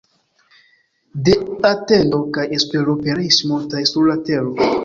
De atendo kaj espero pereis multaj sur la tero.